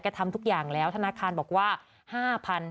แกทำทุกอย่างแล้วธนาคารบอกว่า๕๐๐๐บาท